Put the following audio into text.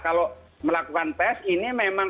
kalau melakukan tes ini memang